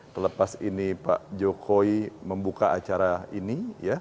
terlepas ini pak jokowi membuka acara ini